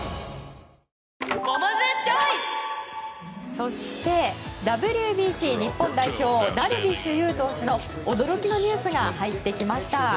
そして、ＷＢＣ日本代表ダルビッシュ有投手の驚きのニュースが入ってきました。